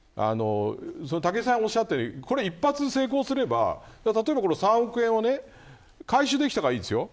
武井さんがおっしゃったように一発成功すれば、例えば３億円を回収できたらいいですよ。